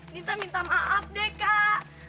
minta minta maaf deh kak